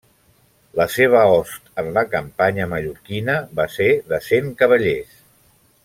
La seva host en la campanya mallorquina va ser de cent cavallers.